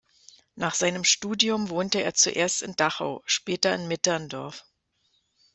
Nach seinem Studium wohnte er zuerst in Dachau, später in Mitterndorf.